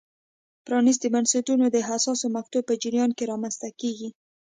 پرانیستي بنسټونه د حساسو مقطعو په جریان کې رامنځته کېږي.